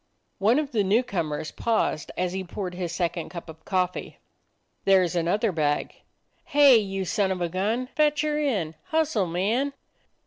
One of the new comers paused as he poured his second cup of coffee: "There 's another bag." "Hey, you son of a gun ! Fetch her in. Hustle, man!"